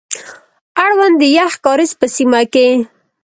اړوند د يخ کاريز په سيمه کي،